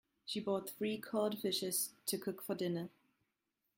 She bought three cod fishes to cook for dinner.